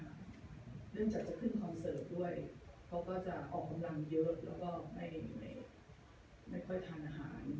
เนื่องจากจะขึ้นคอนเสิร์ตด้วยเขาก็จะออกกำลังเยอะแล้วก็ไม่ค่อยทานอาหาร